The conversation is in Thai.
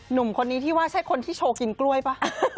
หนุ่มคนนี้ที่ว่าใช่คนที่โชว์กินกล้วยป่ะ